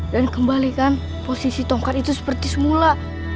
dan kembalikan posisi tokat itu seperti semula